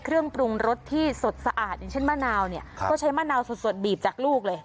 เครื่องปรุงรสที่สดสะอาดอย่างเช่นมะนาวเนี่ยก็ใช้มะนาวสดบีบจากลูกเลย